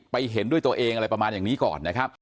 ถ้าเกิดอะไรต้องไปสอบถามกันเองนะครับ